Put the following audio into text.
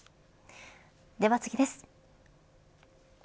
では次です。